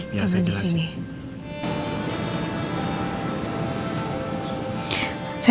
biar saya jelasin